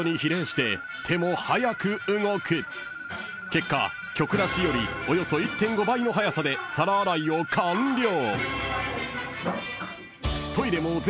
［結果曲なしよりおよそ１．５倍の速さで皿洗いを完了］